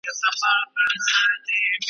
ستا په دې زاړه درمل به کله په زړه ښاد سمه ,